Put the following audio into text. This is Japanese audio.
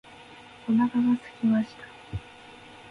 お腹がすきました。